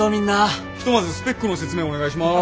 ひとまずスペックの説明お願いします。